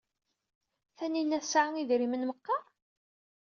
Taninna tesɛa idrimen meqqar?